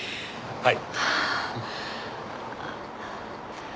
はい？